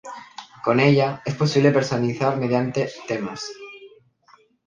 Con ella, es posible personalizar mediante "temas".